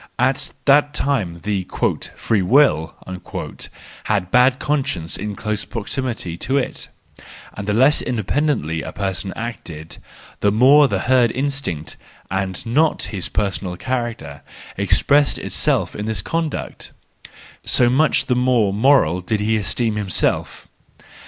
At that time the " free will " had bad conscience in close proximity to it; and the less independently a person acted, the more the herd instinct, and not his personal character, expressed itself in his IX THE JOYFUL WISDOM, III 162 conduct, so much the more moj*al did he esteem himself.